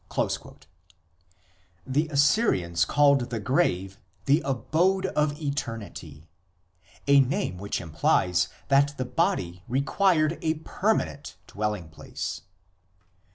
l The Assyrians called the grave "the abode of eternity," 2 a name which implies that the body required a permanent dwelling place.